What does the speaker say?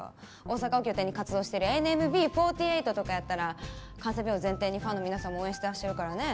大阪を拠点に活動してるＮＭＢ４８とかやったら関西弁を前提にファンの皆さんも応援してらっしゃるからね